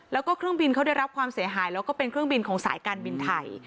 แล้วก็เครื่องบินเขาได้รับความเสียหายแล้วก็เป็นเครื่องบินของสายการบินไทย